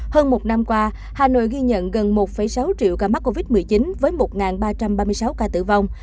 hơn một năm qua hà nội ghi nhận gần một sáu triệu ca mắc covid một mươi chín với một ba trăm ba mươi sáu ca tử vong